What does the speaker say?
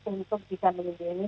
untuk bisa mengimbingi